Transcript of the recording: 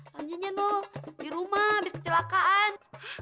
ramji nya loh di rumah abis kecelakaan